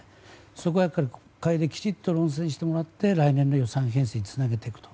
そこはやっぱり国会できちっと論戦してもらって来年の予算編成につなげていくと。